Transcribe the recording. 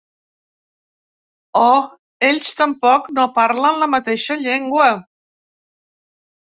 Oh, ells tampoc no parlen la mateixa llengua.